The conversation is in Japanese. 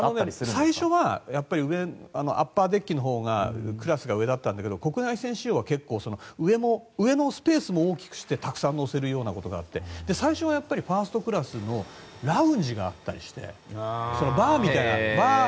最初はアッパーデッキのほうがクラスが上だったんだけど国内線仕様は上のスペースも大きくしてたくさん乗せるようなことがあって最初はファーストクラスのラウンジがあったりしてバーみたいなのが。